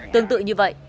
tương tự như vậy